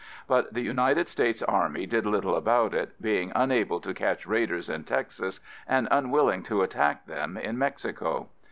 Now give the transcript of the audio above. But the United States Army did little about it, being unable to catch raiders in Texas, and unwilling to attack them in Mexico.